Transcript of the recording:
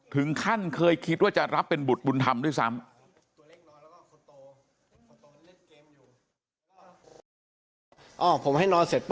ถึงขั้นเคยคิดว่าจะรับเป็นบุตรบุญธรรมด้วยซ้ำ